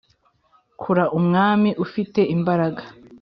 kura umwami ufite imbaraga.